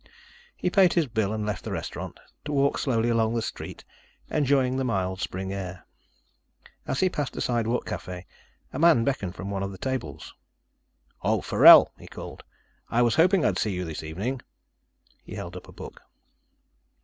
He paid his bill and left the restaurant, to walk slowly along the street, enjoying the mild, spring air. As he passed a sidewalk café, a man beckoned from one of the tables. "Oh, Forell," he called. "I was hoping I'd see you this evening." He held up a book.